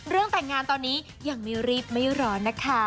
แต่งงานตอนนี้ยังไม่รีบไม่ร้อนนะคะ